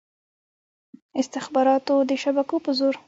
استخباراتو د شبکو په زور.